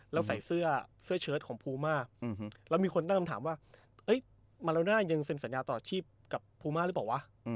แล้วใส่เสื้อเชิดของภูมาแล้วมีคนตั้งคำถามว่ามาโลน่ายังเซ็นสัญญาต่อชีพกับภูมาหรือเปล่าวะ